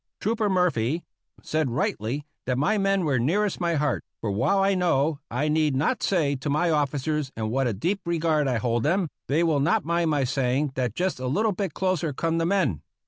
Trooper Murphy said rightly that my men were nearest my heart, for while I know I need not say to my ofi&cers in what a deep regard I hold them, they will not mind my saying that just a little bit closer come the men.